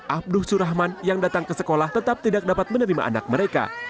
abduh surahman yang datang ke sekolah tetap tidak dapat menerima anak mereka